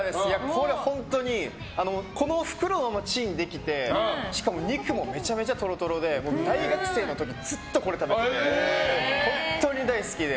これ、本当に袋のままチンできてしかも肉もめちゃくちゃトロトロで大学生の時ずっとこれ食べてて本当に大好きで。